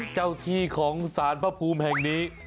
เจ้าที่ของสารพระภูมิแห่งนี้